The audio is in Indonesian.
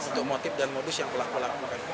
untuk motif dan modus yang pelaku pelaku kan